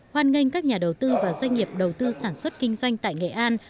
hoan nghênh các nhà đầu tư và doanh nghiệp đầu tư sản xuất kinh doanh tại nghệ an